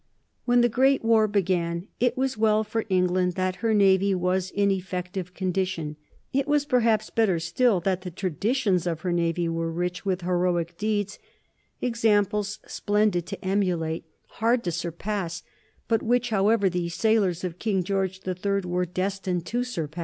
When the great war began it was well for England that her navy was in effective condition; it was perhaps better still that the traditions of her navy were rich with heroic deeds, examples splendid to emulate, hard to surpass, but which, however, the sailors of King George the Third were destined to surpass.